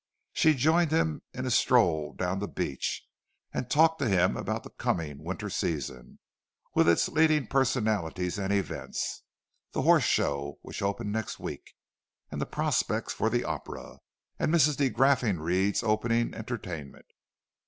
She joined him in a stroll down the beach, and talked to him about the coming winter season, with its leading personalities and events,—the Horse Show, which opened next week, and the prospects for the opera, and Mrs. de Graffenried's opening entertainment.